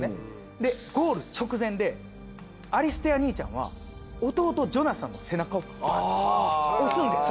でゴール直前でアリステア兄ちゃんは弟ジョナサンの背中をバッて押すんです。